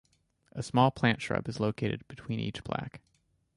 A small plant shrub is located between each plaque.